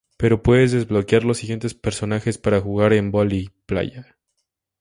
Pero puedes desbloquear los siguientes personajes para jugar en Vóley playa.